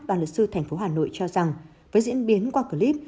và luật sư tp hà nội cho rằng với diễn biến qua clip